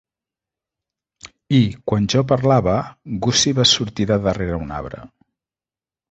I, quan jo parlava, Gussie va sortir de darrere un arbre.